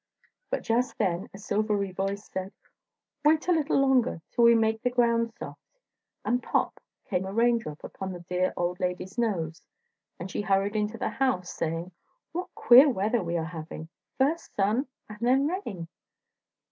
But just then a silvery voice said: "Wait a little while longer till we make the ground soft," and pop came a raindrop upon the dear old lady's nose, and she hurried into the house, saying "What queer weather we are having! first sun and then rain."